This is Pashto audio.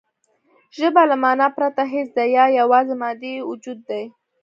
ژبه له مانا پرته هېڅ ده یا یواځې مادي وجود دی